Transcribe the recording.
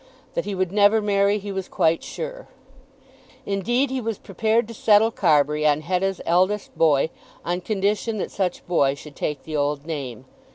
That he would never marry he was quite sure. Indeed he was prepared to settle Carbury on Hetta's eldest boy on condition that such boy should take the old name.